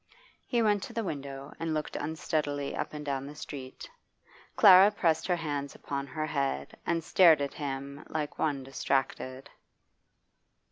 He went to the window and looked uneasily up and down the street. Clara pressed her hands upon her head and stared at him like one distracted.